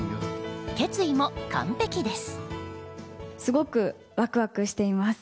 決意も完璧です。